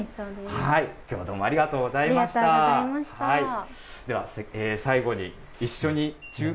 きょうはどうもありがとうごありがとうございました。